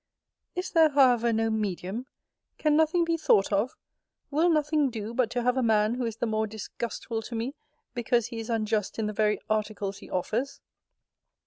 Is there, however, no medium? Can nothing be thought of? Will nothing do, but to have a man who is the more disgustful to me, because he is unjust in the very articles he offers?